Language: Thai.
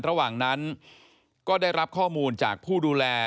ระหว่างนั้นก็ได้รับข้อมูลจากผู้ดูแล